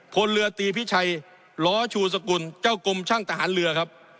พลเรือตีพิชัยล้อชูสกุลเจ้ากรมช่างทหารเรือครับ